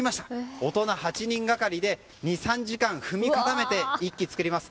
大人８人がかりで２３時間踏み固めて１基を作りました。